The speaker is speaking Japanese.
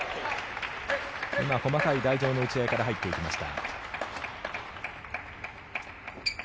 今、細かい台上の打ち合いから入っていきました。